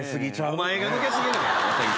お前が抜け過ぎなんや。